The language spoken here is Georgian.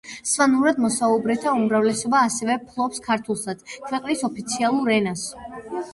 სვანურად მოსაუბრეთა უმრავლესობა ასევე ფლობს ქართულსაც, ქვეყნის ოფიციალურ ენას.